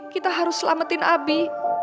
kita harus selamatin abi